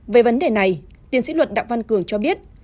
về vấn đề này tiến sĩ luật đặng văn cường cho biết